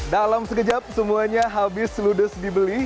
dalam sekejap semuanya habis ludes dibeli